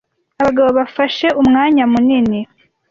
Abagabo bafashe umwanya munini